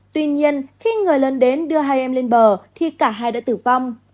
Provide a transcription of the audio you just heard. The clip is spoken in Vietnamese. tuy nhiên khi người lần đến đưa hai em lên bờ thì cả hai đã tử vong